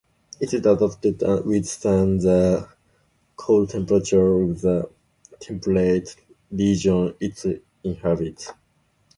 It is adapted to withstand the cold temperatures of the temperate regions it inhabits.